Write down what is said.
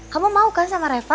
kamu mau kan sama reva